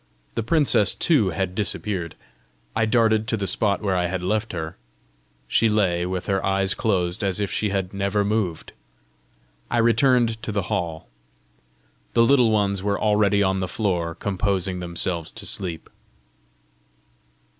The princess too had disappeared. I darted to the spot where I had left her: she lay with her eyes closed, as if she had never moved. I returned to the hall. The Little Ones were already on the floor, composing themselves to sleep.